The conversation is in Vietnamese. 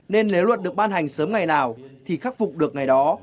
nên nếu luật được ban hành sớm ngày nào thì khắc phục được ngày đó